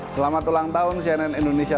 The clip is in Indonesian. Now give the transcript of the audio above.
selamat ulang tahun cnn indonesia